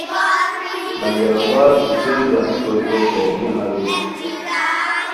لنگرآباد چھو چین راہی کوریکو تیاریان اریر